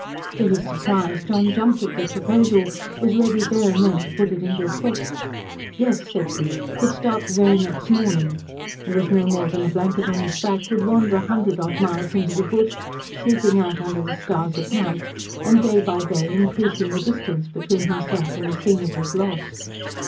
To his surprise John jumped at the proposal, was ready there and then to put it into effect. Yes, said he, he would start the very next morning, and with no more than a blanket on his back, would wander a hundred odd miles into the bush, sleeping out under the stars at night, and day by day increasing the distance between himself and the scene of his loss.